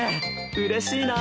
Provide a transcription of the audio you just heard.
うれしいな！